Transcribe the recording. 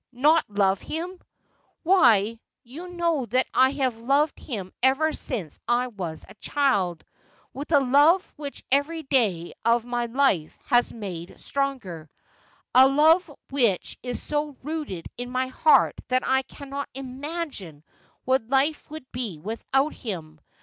Not love him ! Why, you know that I have loved him ever since I was a child, with a love which every day of my life has made stronger — a love which is so rooted in my heart that I cannot imagine what life would be like without him.